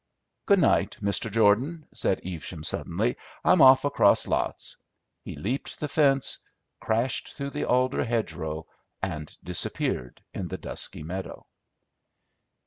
"Good night, Mr. Jordan," said Evesham suddenly. "I'm off across lots." He leaped the fence, crashed through the alder hedgerow, and disappeared in the dusky meadow.